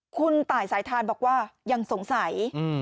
คุณตายสายทานบอกว่ายังสงสัย